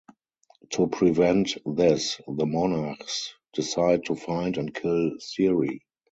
To prevent this, the monarchs decide to find and kill Ciri.